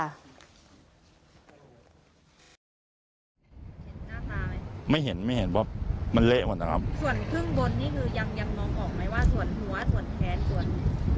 หน้าตาไหมไม่เห็นไม่เห็นว่ามันเละหมดนะครับส่วนครึ่งบนนี่คือยังยังมองออกไหมว่าส่วนหัวส่วนแขนส่วน